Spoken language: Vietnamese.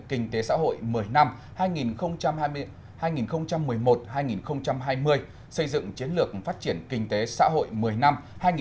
kinh tế xã hội một mươi năm hai nghìn hai mươi một hai nghìn hai mươi xây dựng chiến lược phát triển kinh tế xã hội một mươi năm hai nghìn một mươi một hai nghìn hai mươi